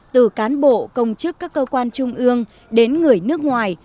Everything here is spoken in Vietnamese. từ cán bộ công chức các cơ quan trung ương đến người nước ngoài